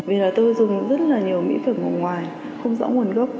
vì là tôi dùng rất là nhiều mỹ phẩm ở ngoài không rõ nguồn gốc